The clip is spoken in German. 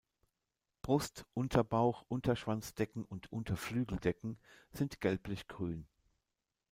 Brust, Unterbauch, Unterschwanzdecken und Unterflügeldecken sind gelblich-grün.